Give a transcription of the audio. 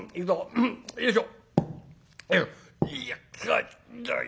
うんよいしょ！